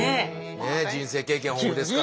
ねえ人生経験豊富ですから。